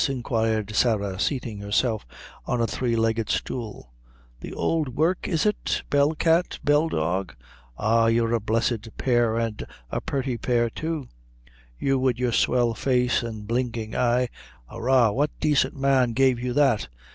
inquired Sarah, seating; herself on a three legged stool, "the ould work, is it? bell cat, bell dog. Ah, you're a blessed pair an' a purty pair, too; you, wid your swelled face an' blinkin' eye. Arrah, what dacent man gave you that?